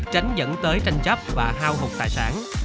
tránh dẫn tới tranh chấp và hao hụt tài sản